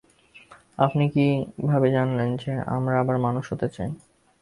আপনি কীভাবে জানলেন যে আমরা আবার মানুষ হতে চাই?